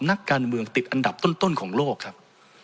นักการเมืองติดอันดับต้นของโลกครับ